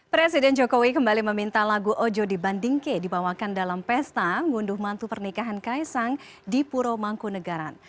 presiden jokowi kembali meminta lagu ojo di bandingke dibawakan dalam pesta ngunduh mantu pernikahan kaisang di puro mangkunagaran